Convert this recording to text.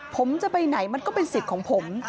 ผมจะไปไหนมันก็เป็นสิทธิ์ของผม